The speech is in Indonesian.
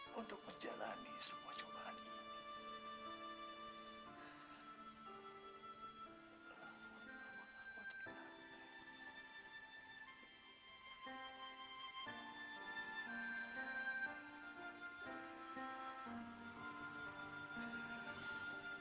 hai untuk menjalani semua cobaan ini